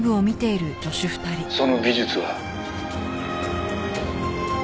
「その技術は」